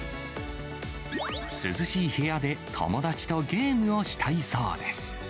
涼しい部屋で友達とゲームをしたいそうです。